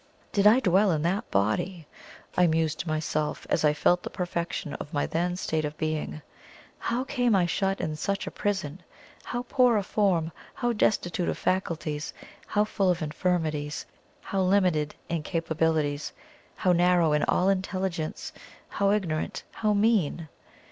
"Did I dwell in that body?" I mused to myself, as I felt the perfection of my then state of being. "How came I shut in such a prison? How poor a form how destitute of faculties how full of infirmities how limited in capabilities how narrow in all intelligence how ignorant how mean!"